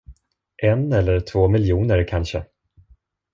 En eller två miljoner kanske.